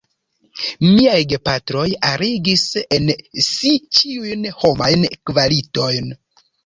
Miaj gepatroj arigis en si ĉiujn homajn kvalitojn.